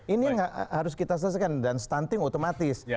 ini harus kita selesaikan dan stunting otomatis